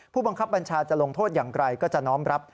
ผู้บังคับบัญชาจะลงโทษอย่างไรก็จะน้อมรับ